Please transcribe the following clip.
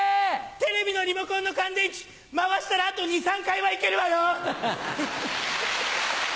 テレビのリモコンの乾電池回したらあと２３回は行けるわよ。